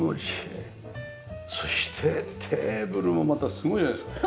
そしてテーブルもまたすごいじゃないですか。